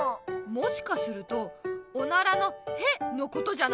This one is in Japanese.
もしかするとおならの「へ」のことじゃない？